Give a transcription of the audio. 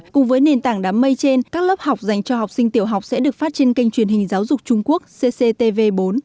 cùng với nền tảng đám mây trên các lớp học dành cho học sinh tiểu học sẽ được phát trên kênh truyền hình giáo dục trung quốc cctv bốn